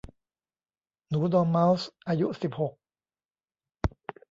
หนูดอร์เมาส์อายุสิบหก